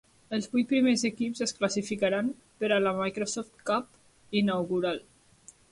Els vuit primers equips es classificaran per a la Microsoft Cup inaugural.